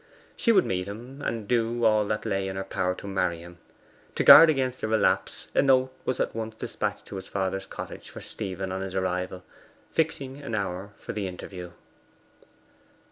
She would meet him, and do all that lay in her power to marry him. To guard against a relapse, a note was at once despatched to his father's cottage for Stephen on his arrival, fixing an hour for the interview.